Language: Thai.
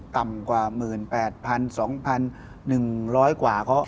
ต่ำกว่า๑๘๐๐๐๒๑๐๐กว่า